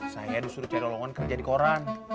saya disuruh cari dolongan kerja di koran